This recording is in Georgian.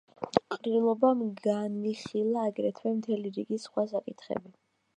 ყრილობამ განიხილა აგრეთვე მთელი რიგი სხვა საკითხები.